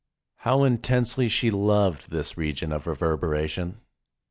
How intensely she loved this region of reverberation!